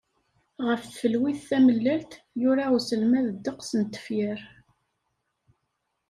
Ɣef tfelwit tamellalt, yura uselmad ddeqs n tefyar.